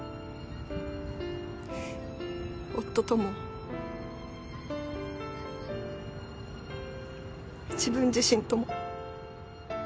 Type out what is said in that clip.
夫とも自分自身とも。